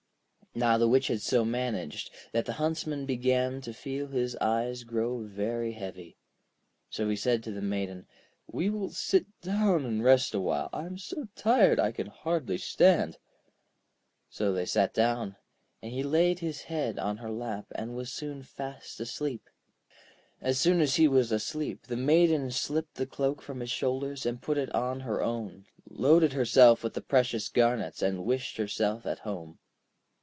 Now the Witch had so managed that the Huntsman began to feel his eyes grow very heavy. So he said to the Maiden: 'We will sit down to rest a while, I am so tired I can hardly stand.' So they sat down, and he laid his head on her lap and was soon fast asleep. As soon as he was asleep, the Maiden slipped the cloak from his shoulders and put it on her own, loaded herself with the precious garnets, and wished herself at home.